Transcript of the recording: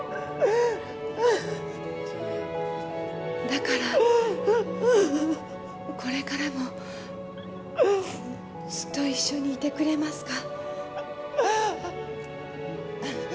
だから、これからもずっと一緒にいてくれますか？